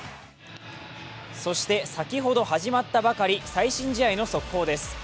そして先ほど始まったばかり、最新試合の速報です。